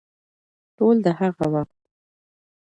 ټول د هغه وخت